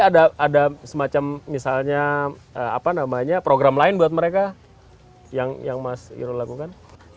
ada semacam misalnya program lain buat mereka yang mas irul lakukan